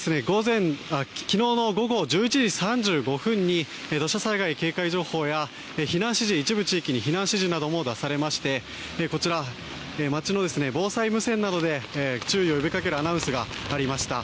昨日の午後１１時３５分に土砂災害警戒情報や一部地域に避難指示なども出されましてこちら、街の防災無線などで注意を呼びかけるアナウンスがありました。